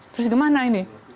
terus gimana ini